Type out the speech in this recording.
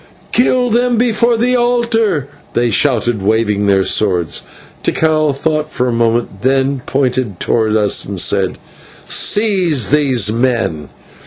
"Kill them before the altar!" they shouted, waving their swords. Tikal thought for a moment, then pointed towards us and said, "Seize those men."